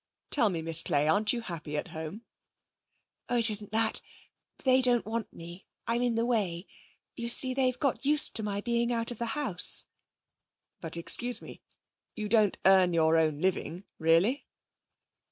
'Tell me, Miss Clay, aren't you happy at home?' 'Oh, it isn't that. They don't want me. I'm in the way. You see, they've got used to my being out of the house.' 'But, excuse me you don't earn your own living really?'